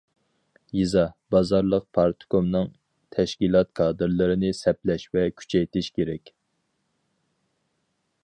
يېزا، بازارلىق پارتكومنىڭ تەشكىلات كادىرلىرىنى سەپلەش ۋە كۈچەيتىش كېرەك.